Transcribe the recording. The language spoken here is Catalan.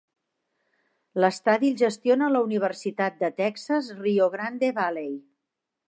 L'estadi el gestiona la Universitat de Texas Rio Grande Valley.